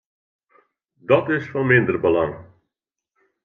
Dat is fan minder belang.